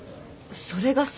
それがさ。